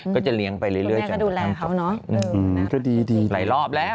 ก็จะเลี้ยงไปเรื่อยจนพักปลอดภัย